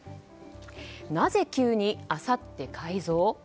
なぜ急にあさって改造？